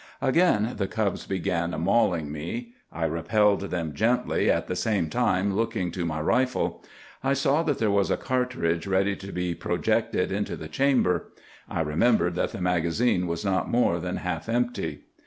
"'Again the cubs began mauling me. I repelled them gently, at the same time looking to my rifle. I saw that there was a cartridge ready to be projected into the chamber. I remembered that the magazine was not more than half empty.